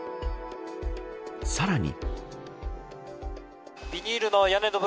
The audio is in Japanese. さらに。